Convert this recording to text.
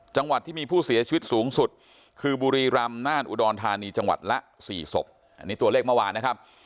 จังหวัดที่มีผู้เสียชีวิตสูงสุดคือบุรีรำน่านอุดรธานีจังหวัดละ๔ศพอันนี้ตัวเลขเมื่อวานนะครับ